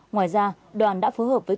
ngoài ra đoàn đã phối hợp với